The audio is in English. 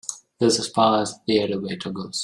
This is as far as the elevator goes.